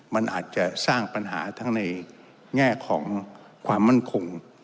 มันอาจจะสร้างปัญหาทั้งในแง่ของความมั่นคง